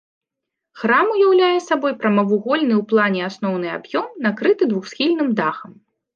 Храм уяўляе сабой прамавугольны ў плане асноўны аб'ём накрыты двухсхільным дахам.